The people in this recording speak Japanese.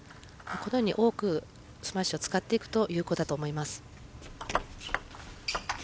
このように多くスマッシュを使っていくと有効だと思います。